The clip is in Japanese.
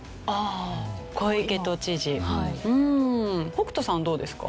北斗さんどうですか？